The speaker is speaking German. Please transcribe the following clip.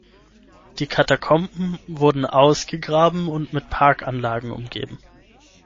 Die Katakomben wurden ausgegraben und mit Parkanlagen umgeben.